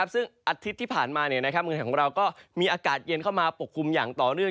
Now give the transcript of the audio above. ซึ่งอาทิตย์ที่ผ่านมาเมืองไหนยังมีอากาศเย็นครรมมาต่อเนื่อง